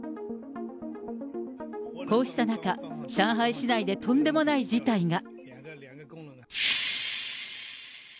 こうした中、上海市内でとんでもない事態が。